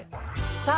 さあ